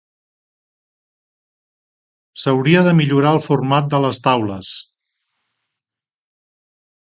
S'hauria de millorar el format de les taules.